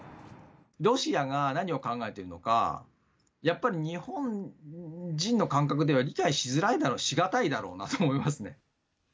ロシアが何を考えているのか、やっぱり日本人の感覚では理解しづらいだろう、し難いだろうなと思いますね。